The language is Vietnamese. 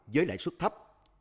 với lãi suất thấp